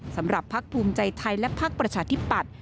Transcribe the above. สำหรับพักภูมิใจไทยและพักประชาธิบัตร